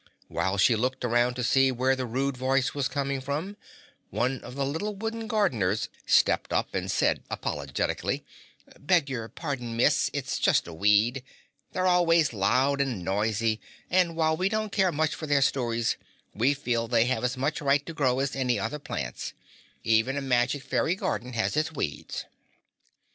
While she looked about to see where the rude voice was coming from, one of the little wooden gardeners stepped up and said apologetically, "Beg your pardon, Miss, it's just a weed. They're always loud and noisy, and while we don't care much for their stories, we feel they have as much right to grow as any other plants. Even a magic fairy garden has its weeds."